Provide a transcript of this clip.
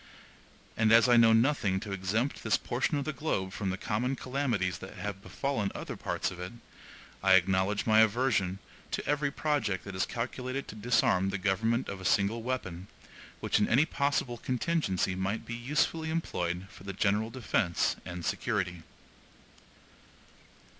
And as I know nothing to exempt this portion of the globe from the common calamities that have befallen other parts of it, I acknowledge my aversion to every project that is calculated to disarm the government of a single weapon, which in any possible contingency might be usefully employed for the general defense and security.